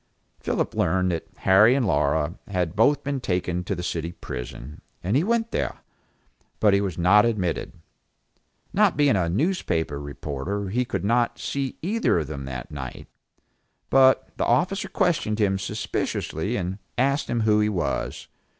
Philip learned that Harry and Laura had both been taken to the city prison, and he went there; but he was not admitted. Not being a newspaper reporter, he could not see either of them that night; but the officer questioned him suspiciously and asked him who he was.